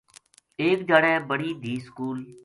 ایک دھیاڑے بڑی دھی سکول